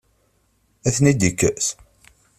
Ad ten-id-yekkes?